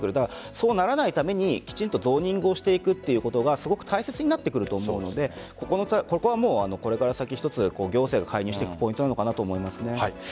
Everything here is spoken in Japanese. そうならないためにきちんとゾーニングをしていくことがすごく大切になってくると思うのでここは、これから先行政が介入していくポイントなのかなと思います。